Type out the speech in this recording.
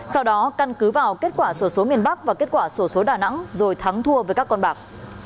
sau đó căn cứ vào kết quả sổ số miền bắc và kết quả sổ số đà nẵng rồi thắng thua với các con bạc